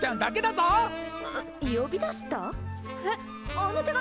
あの手紙